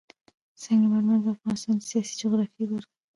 سنگ مرمر د افغانستان د سیاسي جغرافیه برخه ده.